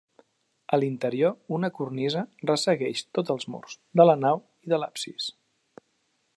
A l'interior, una cornisa ressegueix tots els murs, de la nau i de l'absis.